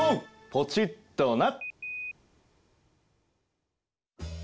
ポチッとな。